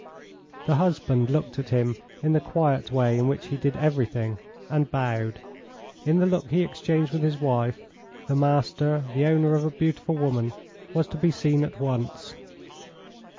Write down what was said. The husband looked at him in the quiet way in which he did everything, and bowed. In the look he exchanged with his wife, the master, the owner of a beautiful woman, was to be seen at once.